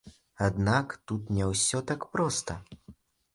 Аднак, тут не ўсё так проста.